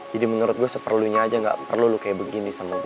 jadi menurut gue seperlunya aja gak perlu lu kayak begini sama gue